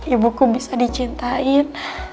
ibuku bisa dicintain